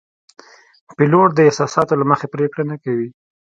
پیلوټ د احساساتو له مخې پرېکړه نه کوي.